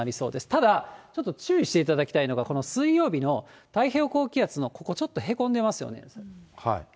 ただ、ちょっと注意していただきたいのが、この水曜日の太平洋高気圧のここ、ちょっとへこんでますよね。